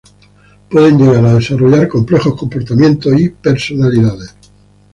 Pueden llegar a desarrollar complejos comportamientos y personalidades.